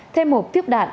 thêm một thiếp đạn